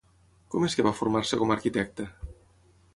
Com és que va formar-se com a arquitecta?